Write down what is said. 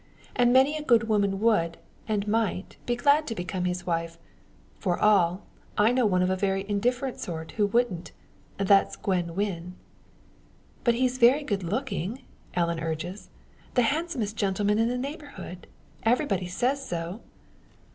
And many a good woman would, and might, be glad to become his wife. For all, I know one of a very indifferent sort who wouldn't that's Gwen Wynn." "But he's very good looking?" Ellen urges; "the handsomest gentleman in the neighbourhood. Everybody says so."